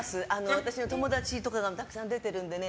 私の友達とかがたくさん出てるのでね